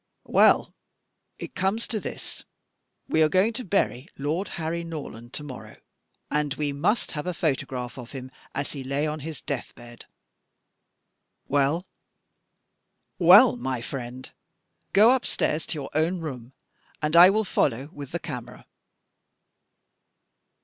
Well. It comes to this. We are going to bury Lord Harry Norland to morrow, and we must have a photograph of him as he lay on his deathbed." "Well?" "Well, my friend, go upstairs to your own room, and I will follow with the camera."